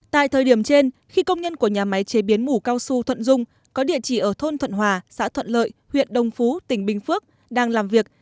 tại thời điểm trên khi công nhân của nhà máy chế biến mủ cao su thuận dung có địa chỉ ở thôn thuận hòa xã thuận lợi huyện đồng phú tỉnh bình phước đang làm việc